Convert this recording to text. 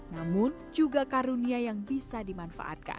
namun juga karunia yang bisa dimanfaatkan